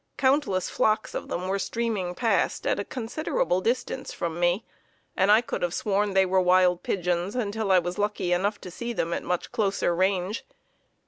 Countless flocks of them were streaming past at a considerable distance from me, and I could have sworn they were wild pigeons until I was lucky enough to see them at much closer range.